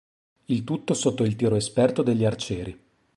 Il tutto sotto il tiro esperto degli arcieri.